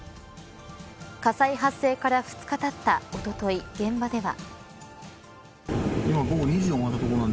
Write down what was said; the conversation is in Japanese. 火災発生から２日たったおととい現場では。